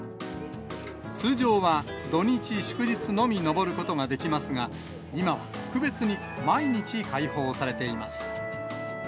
通常は土日祝日のみ上ることができますが、今は特別に毎日、開放されています。